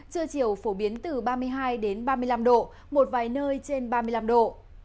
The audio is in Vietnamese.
trưa chiều phổ biến từ ba mươi hai ba mươi năm độ một vài nơi trên ba mươi năm độ